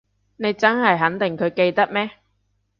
你真係肯定佢記得咩？